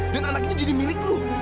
dan anaknya jadi milik lo